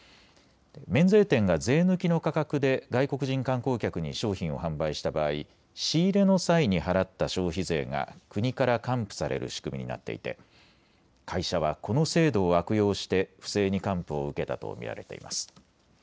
免税店が税抜きの価格で外国人観光客に商品を販売した場合、仕入れの際に払った消費税が国から還付される仕組みになっていて会社はこの制度を悪用して不正に還付を受けたと見られています。